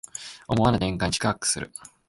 思わぬ展開に四苦八苦する